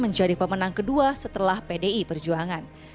menjadi pemenang kedua setelah pdi perjuangan